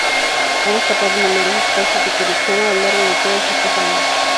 Ha destapado numerosos casos de corrupción a lo largo de todos estos años.